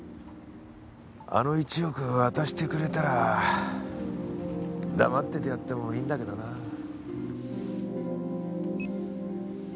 あの１億を渡してくれたら黙っててやってもいいんだけどなぁ。